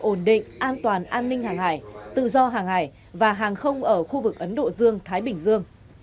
ổn định an toàn an ninh hàng hải tự do hàng hải và hàng không ở khu vực ấn độ dương thái bình dương